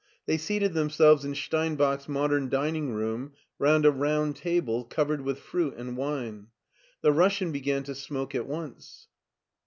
They seated themselves in Steinbach's mod cm dining room round a round table covered with fruit and wine. The Russian began to smoke at once.